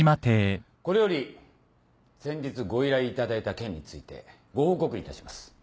これより先日ご依頼いただいた件についてご報告いたします。